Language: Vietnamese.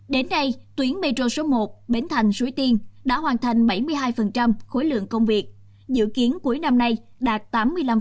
đến nay tuyến metro số một bến thành suối tiên đã hoàn thành bảy mươi hai khối lượng công việc dự kiến cuối năm nay đạt tám mươi năm